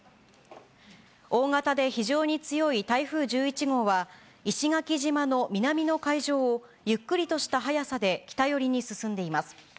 大型で非常に強い台風１１号は、石垣島の南の海上をゆっくりとした速さで北寄りに進んでいます。